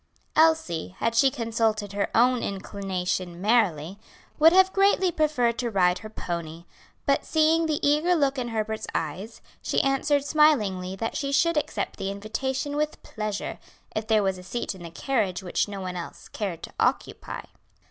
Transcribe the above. Elsie, had she consulted her own inclination merely, would have greatly preferred to ride her pony, but seeing the eager look in Herbert's eyes, she answered smilingly that she should accept the invitation with pleasure, if there was a seat in the carriage which no one else cared to occupy.